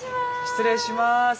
失礼します。